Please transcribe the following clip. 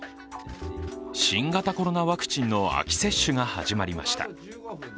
新型コロナワクチンの秋接種が始まりました。